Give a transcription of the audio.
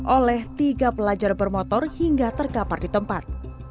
oleh tiga pelajar bermotor hingga terkapar di tempat